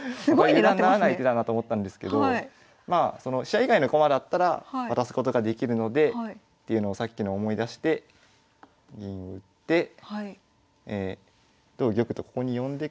油断ならない手だなと思ったんですけど飛車以外の駒だったら渡すことができるのでっていうのをさっきの思い出して銀打って同玉とここに呼んでから。